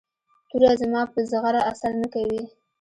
توره زما په زغره اثر نه کوي.